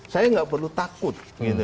saya tidak perlu takut